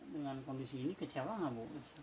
dengan kondisi ini kecewa nggak bu